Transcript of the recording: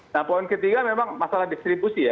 nah poin ketiga memang masalah distribusi ya